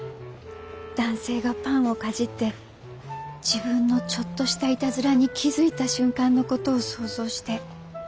男性がパンをかじって自分のちょっとしたいたずらに気付いた瞬間のことを想像して。